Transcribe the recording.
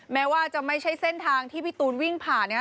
แม้ว่าจะไม่ใช่เส้นทางที่พี่ตูนวิ่งผ่านนะครับ